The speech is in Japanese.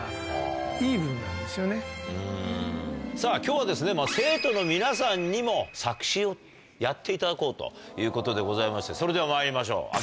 さぁ今日は生徒の皆さんにも作詞をやっていただこうということでございましてそれではまいりましょう。